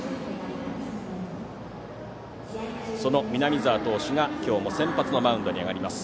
その南澤投手が今日も先発のマウンドに上がります。